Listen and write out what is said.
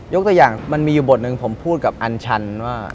ตัวอย่างมันมีอยู่บทหนึ่งผมพูดกับอัญชันว่า